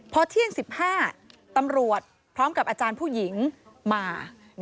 พอเที่ยง๑๕ตำรวจพร้อมกับอาจารย์ผู้หญิงมา